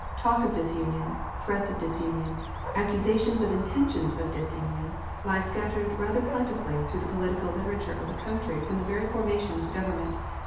Talk of disunion, threats of disunion, accusations of intentions of disunion, lie scattered rather plentifully through the political literature of the country from the very formation of the Government.